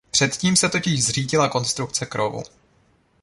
Předtím se totiž zřítila konstrukce krovu.